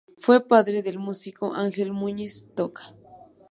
Fue padre del músico Ángel Muñiz Toca.